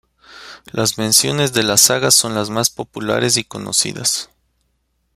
Las menciones de las sagas son las más populares y conocidas.